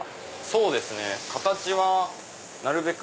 そうですね形はなるべく。